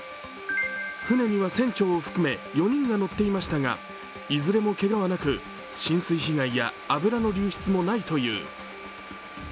船には船長を含め４人が乗っていましたが、いずれもけがはなく、浸水被害や油の流出もないという。